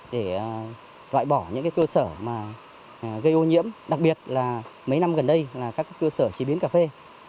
để loại bỏ những cơ sở gây ô nhiễm đặc biệt là mấy năm gần đây là các cơ sở chế biến cà phê